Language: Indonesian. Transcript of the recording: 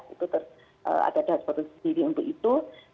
itu ada dashboard sendiri untuk itu